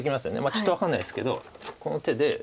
ちょっと分かんないですけどこの手で。